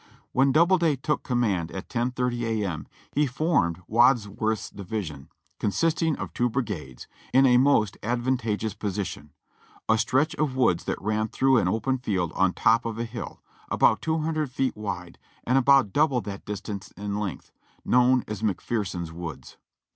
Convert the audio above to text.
When Doubleday took command at 10.30 A. ]\I. he formed \\'adsworth's division, consisting of two brigades, in a most ad vantageous position — a stretch of woods that ran through an open field on top of a hill, about two hundred feet wide and about double that distance in length, known as McPherson's woods.